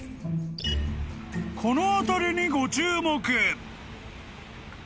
［この辺りにご注目］